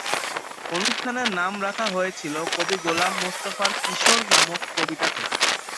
অনুষ্ঠানের নাম রাখা হয়েছিলো কবি গোলাম মোস্তফার কিশোর নামক কবিতা থেকে।